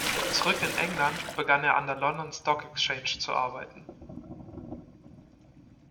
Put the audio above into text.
Zurück in England, begann er an der London Stock Exchange zu arbeiten.